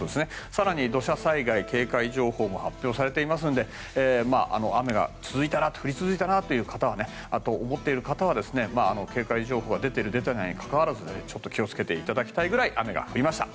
更に、土砂災害警戒情報も発表されていますので雨が降り続いたなあと、そう思っている方は警戒情報が出ている出ていないに関係なく気を付けていただきたいくらい雨が降りました。